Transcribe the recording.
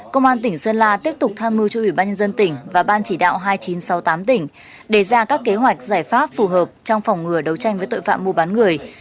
công an tỉnh sơn la tiếp tục tham mưu cho ủy ban nhân dân tỉnh và ban chỉ đạo hai nghìn chín trăm sáu mươi tám tỉnh đề ra các kế hoạch giải pháp phù hợp trong phòng ngừa đấu tranh với tội phạm mua bán người